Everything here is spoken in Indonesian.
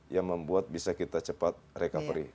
yang membuat bisa kita cepat recovery